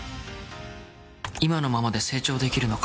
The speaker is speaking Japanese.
今のままで成長できるのか。